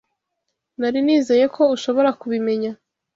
Nari nizeye ko ushobora kubimenya.